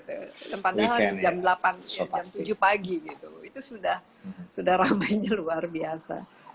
tempatnya lagi jam delapan jam tujuh pagi gitu itu sudah sudah ramainya luar biasa